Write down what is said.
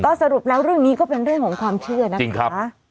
สรุปแล้วเรื่องนี้ก็เป็นเรื่องของความเชื่อนะคะ